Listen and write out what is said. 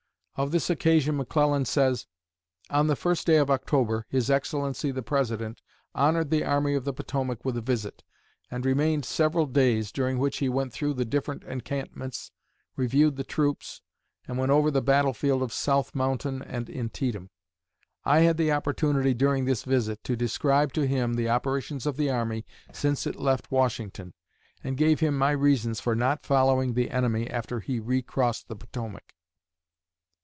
Of this occasion McClellan says: "On the first day of October, his Excellency the President honored the Army of the Potomac with a visit, and remained several days, during which he went through the different encampments, reviewed the troops, and went over the battle field of South Mountain and Antietam. I had the opportunity, during this visit, to describe to him the operations of the army since it left Washington, and gave him my reasons for not following the enemy after he recrossed the Potomac."